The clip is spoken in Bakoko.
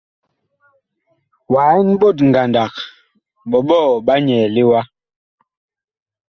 Wa ɛn ɓot ngandag, ɓɔɓɔɔ ɓa nyɛɛle wa ?